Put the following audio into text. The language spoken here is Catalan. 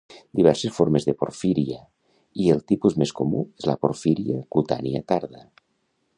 Diverses formes de porfíria i el tipus més comú és la porfíria cutània tarda